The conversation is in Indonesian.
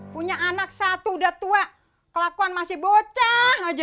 punya anak satu udah tua kelakuan masih bocah